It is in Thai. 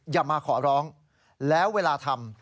อย่ามาขอร้องแล้วเวลาทำ